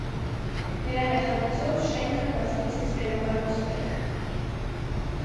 Նրա նախագծով շենքը բազմիցս վերակառուցվել է։